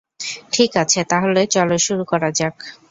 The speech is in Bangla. ঠিক আছে, তাহলে চলো শুরু করা যাক।